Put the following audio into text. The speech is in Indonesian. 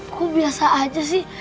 kok biasa aja sih